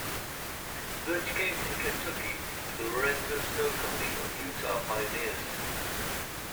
Burch came from Kentucky with the Lorenzo Snow company of Utah pioneers.